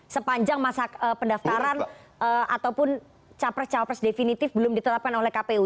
sepanjang masa pendaftaran ataupun capres capres definitif belum ditetapkan oleh kpu